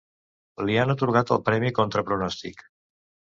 Li han atorgat el premi contra pronòstic.